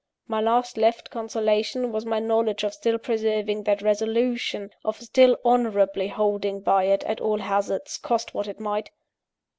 My last left consolation was my knowledge of still preserving that resolution, of still honourably holding by it at all hazards, cost what it might.